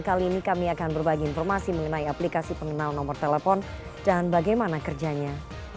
kali ini kami akan berbagi informasi mengenai aplikasi pengenal nomor telepon dan bagaimana kerjanya